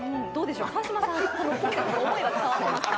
川島さん、このポエムの思い伝わってますか？